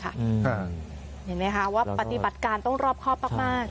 เห็นไหมคะว่าปฏิบัติการต้องรอบครอบมาก